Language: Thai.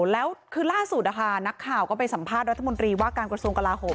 แล้วคือล่าสุดนักข่าวก็ไปสัมภาษณ์รัฐมนตรีว่าการกระทรวงกลาโหม